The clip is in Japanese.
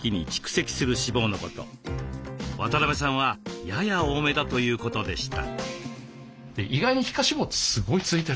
渡邊さんはやや多めだということでした。